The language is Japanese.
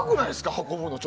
運ぶの。